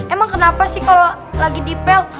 emang kenapa sih kalau lagi detail